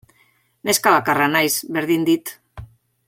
Neska bakarra naiz, berdin dit.